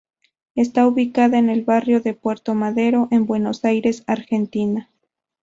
Está ubicado en el barrio de Puerto Madero, en Buenos Aires, Argentina.